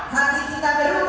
hati kita berubah